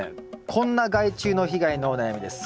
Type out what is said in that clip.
こんな害虫の被害のお悩みです。